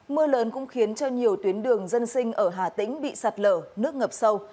mưa lớn cũng khiến cho nhiều tuyến đường dân sinh ở hà tĩnh bị sạt lở nước ngập sâu